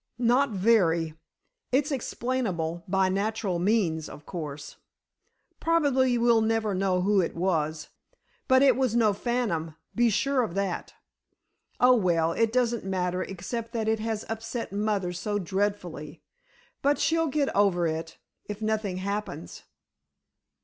"Not very. It's explainable by natural means, of course. Probably we'll never know who it was, but it was no phantom, be sure of that." "Oh, well, it doesn't matter, except that it has upset mother so dreadfully. But she'll get over it—if nothing happens."